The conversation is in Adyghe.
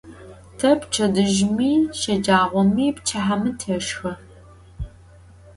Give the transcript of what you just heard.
Te pçedızjımi, şecağomi, pçıhemi teşşxe.